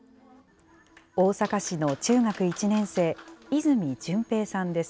大阪市の中学１年生、泉潤平さんです。